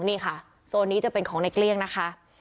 นี่ค่ะโซนนี้จะเป็นของในเกลี้ยงนะคะ